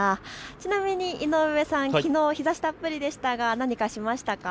ちなみに井上さん、きのう日ざしたっぷりでしたが何かしましたか。